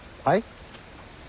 はい？